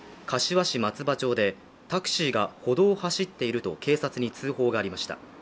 柏市松葉町で、タクシーが歩道を走っていると警察に通報がありました。